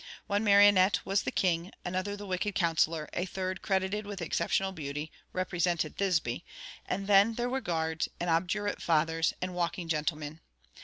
One marionnette was the king; another the wicked counsellor; a third, credited with exceptional beauty, represented Thisbe; and then there were guards, and obdurate fathers, and walking gentlemen.